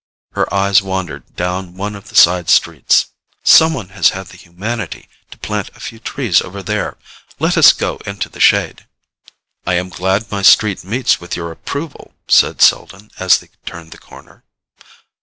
Her eyes wandered down one of the side streets. "Someone has had the humanity to plant a few trees over there. Let us go into the shade." "I am glad my street meets with your approval," said Selden as they turned the corner.